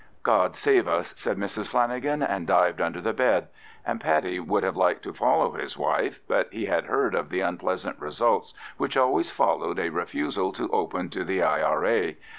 "God save us," said Mrs Flanagan, and dived under the bed; and Paddy would have liked to follow his wife, but he had heard of the unpleasant results which always followed a refusal to open to the I.R.A.